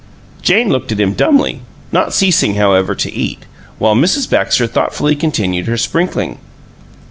Jane looked at him dumbly, not ceasing, how ever, to eat; while Mrs. Baxter thoughtfully continued her sprinkling.